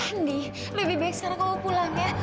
andi lebih baik sekarang kamu pulang ya